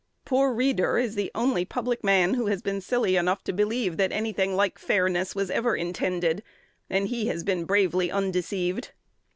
Poor Reeder is the only public man who has been silly enough to believe that any thing like fairness was ever intended; and he has been bravely undeceived.